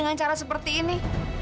bagaimana cara seperti ini